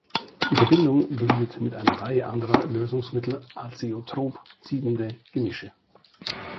Die Verbindung bildet mit einer Reihe anderer Lösungsmittel azeotrop siedende Gemische.